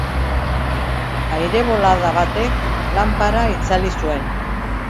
Aire bolada batek lanpara itzali zuen.